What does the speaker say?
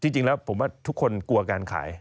จริงแล้วผมว่าทุกคนกลัวการขาย